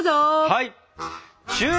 はい！